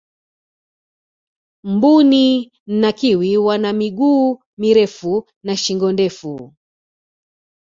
mbuni na kiwi wana miguu mirefu na shingo ndefu